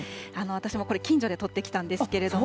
私もこれ、近所で撮ってきたんですけれども。